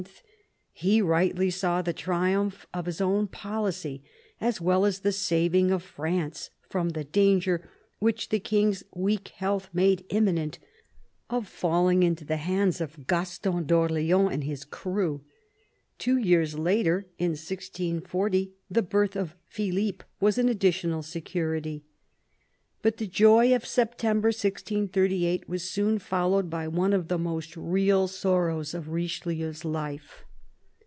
he rightly saw the triumph of his own policy as well as the saving of France from the danger, which the King's weak health made imminent, of falling into the hands of Gaston d'0rl6ans and his crew. Two years later, in 1640, the birth of Philippe was an additional security. But the joy of September 1638 was soon followed by one of the most real sorrows of Richelieu's life.